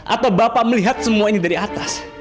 atau bapak melihat semua ini dari atas